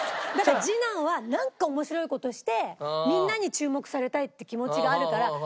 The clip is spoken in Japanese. だから次男はなんか面白い事をしてみんなに注目されたいって気持ちがあるから。